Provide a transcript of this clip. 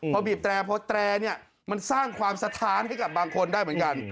พอบีบแตรพอแตรเนี่ยมันสร้างความสะท้านให้กับบางคนได้เหมือนกัน